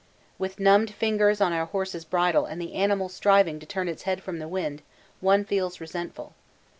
With numbed fingers on our horse's bridle and the animal striving to turn its head from the wind one feels resentful.